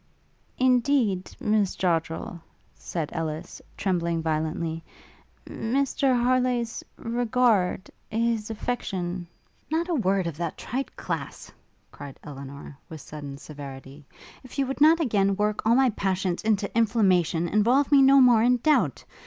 'Indeed, Miss Joddrel,' said Ellis, trembling violently, 'Mr Harleigh's regard his affection ' 'Not a word of that trite class!' cried Elinor, with sudden severity, 'if you would not again work all my passions into inflammation involve me no more in doubt!